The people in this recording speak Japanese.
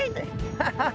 「ハハハ！」。